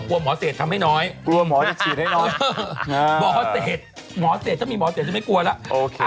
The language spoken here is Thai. กลัวมอเศษทำให้น้อยหมอเศษหมอเศษถ้ามีหมอเศษจะไม่กลัวโอเค